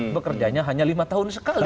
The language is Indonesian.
bekerjanya hanya lima tahun sekali